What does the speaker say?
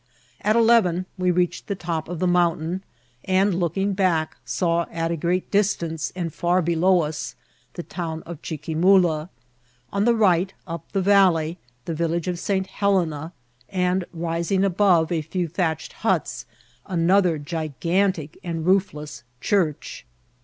At eleven we reached the top of the mountain, and, looking back, saw at a great distance, and bi below us, the town of Chiquimula ; on the right, up the valley, the village of St. Helena; and, rising above a few thatched huts, another gigantic and rool^ less church.